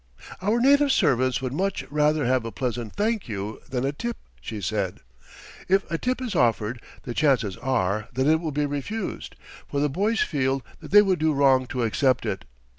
"Our native servants would much rather have a pleasant 'thank you' than a tip," she said; "if a tip is offered, the chances are that it will be refused, for the boys feel that they would do wrong to accept it.